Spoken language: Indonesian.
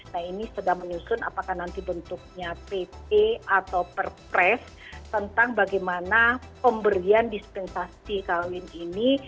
nah ini sedang menyusun apakah nanti bentuknya pp atau perpres tentang bagaimana pemberian dispensasi kawin ini